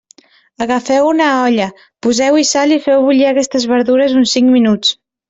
Agafeu una olla, poseu-hi sal i feu bullir aquestes verdures uns cinc minuts.